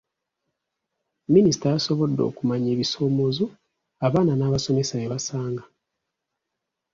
Minisita yasobodde okumanya ebisoomoozo abaana n'abasomesa bye basanga.